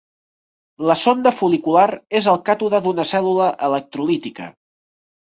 La sonda fol·licular és el càtode d'una cèl·lula electrolítica.